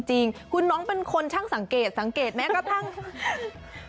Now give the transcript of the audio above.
จริงคุณน้องเป็นคนช่างสังเกตสังเกตแม้กระทั่ง